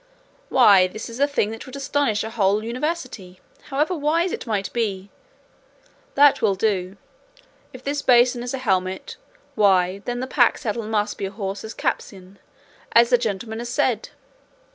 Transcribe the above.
Why, this is a thing that would astonish a whole university, however wise it might be! That will do; if this basin is a helmet, why, then the pack saddle must be a horse's caparison, as this gentleman has said."